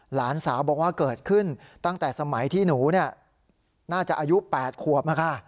หลานสาวบอกว่าเกิดขึ้นตั้งแต่สมัยที่หนูน่าจะอายุ๘ขวบ